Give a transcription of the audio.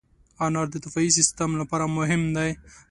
انار د دفاعي سیستم لپاره مهم دی.